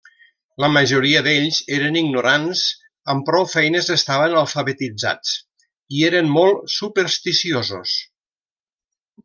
La majoria d'ells eren ignorants, amb prou feines estaven alfabetitzats, i eren molt supersticiosos.